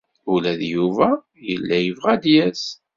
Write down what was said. Ula d Yuba yella yebɣa ad d-yas.